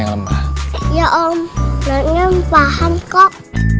ya om paham kok